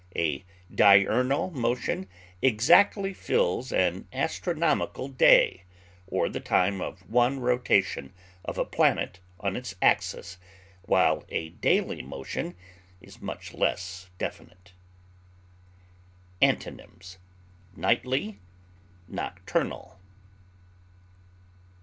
A diurnal motion exactly fills an astronomical day or the time of one rotation of a planet on its axis, while a daily motion is much less definite. Antonyms: nightly, nocturnal.